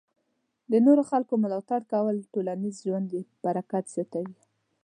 د نورو خلکو ملاتړ کول ټولنیز ژوند کې برکت زیاتوي.